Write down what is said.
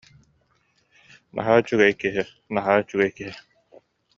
Наһаа үчүгэй киһи, наһаа үчүгэй киһи